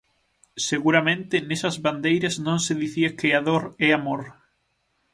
Seguramente nesas bandeiras non se dicía que A dor é amor.